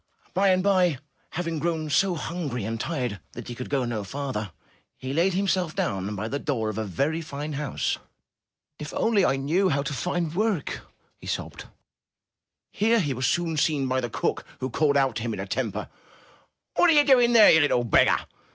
By and by, having grown so hungry and tired that he could go no farther, he laid himself down by the door of a very fine house. ''If only I knew how to find work!" he sobbed. Here he was soon seen by the cook, who called out to him in a temper: *'What are you doing there, you little beggar?